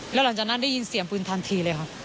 แล้วหลังจากนั้นได้ยินเสียงปืนทันทีเลยครับ